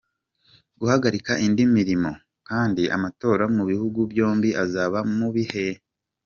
guhagarika indi imirimo kandi amatora mu bihugu byombi azaba mu bihe